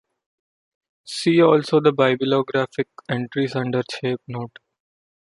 See also the bibliographic entries under Shape note.